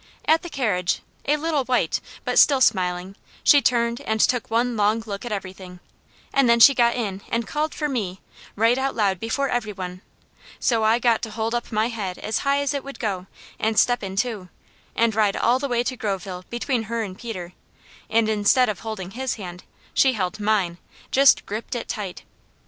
At the carriage, a little white, but still smiling, she turned and took one long look at everything, and then she got in and called for me, right out loud before every one, so I got to hold up my head as high as it would go, and step in too, and ride all the way to Groveville between her and Peter, and instead of holding his hand, she held mine, just gripped it tight.